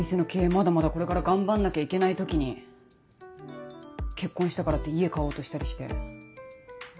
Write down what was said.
まだまだこれから頑張んなきゃいけない時に結婚したからって家買おうとしたりして。